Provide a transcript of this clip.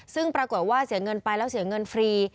ซึ่งปรากฏว่าเสียเงินไปแล้วเสียเงินฟรี